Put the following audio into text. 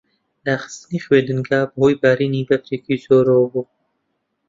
داخستنی خوێندنگە بەهۆی بارینی بەفرێکی زۆرەوە بوو.